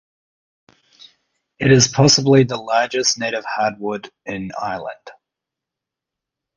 It is possibly the largest native hardwood wood in Ireland.